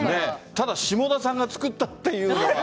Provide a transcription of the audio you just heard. ただ、下田さんが作ったというのは。